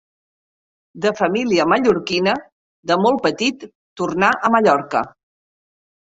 De família mallorquina, de molt petit tornà a Mallorca.